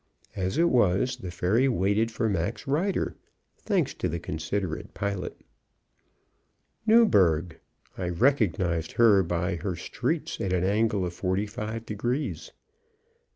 As it was, the ferry waited for Mac's rider thanks to the considerate pilot. Newburgh! I recognized her by her streets at an angle of 45 degrees.